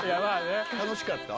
楽しかった？